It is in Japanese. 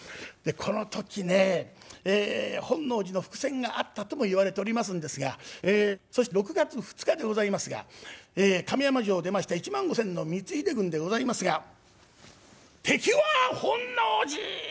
この時ね本能寺の伏線があったともいわれておりますんですが６月２日でございますが亀山城を出ました１万５，０００の光秀軍でございますが「敵は本能寺！」。